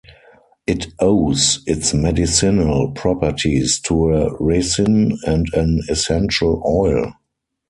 It owes its medicinal properties to a resin and an essential oil.